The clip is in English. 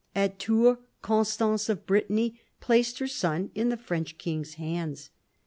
At Tours Constance of Brittany placed her son in the French king's hands.